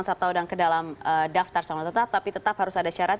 daftar selanjutnya tetap tapi tetap harus ada syarat